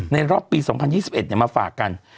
รอบปี๒๐๒๑มาฝากกัน